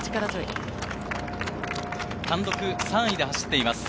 単独３位で走っています。